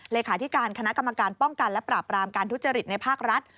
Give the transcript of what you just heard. เลขาธิการคณะกรรมการป้องกันและปราบรามการทุจริตในภาครัฐ